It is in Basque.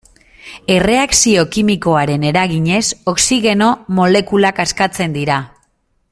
Erreakzio kimikoaren eraginez, oxigeno molekulak askatzen dira.